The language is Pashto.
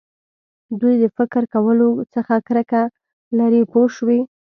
دوی د فکر کولو څخه کرکه لري پوه شوې!.